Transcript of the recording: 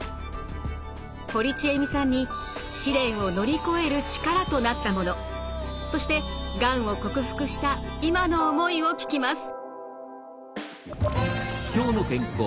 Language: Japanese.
堀ちえみさんに試練を乗り越える力となったものそしてがんを克服した今の思いを聞きます。